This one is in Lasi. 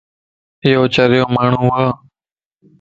ايو چريو ماڻھون وَ